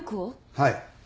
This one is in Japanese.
はい。